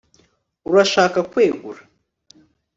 urashaka kwegura